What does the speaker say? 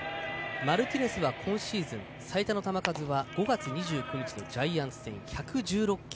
マルティネスは今シーズン最多の球数は５月２９日のジャイアンツ戦、１１６球。